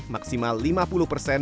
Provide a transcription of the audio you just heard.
maksimal lima puluh persen